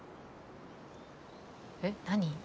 えっ何？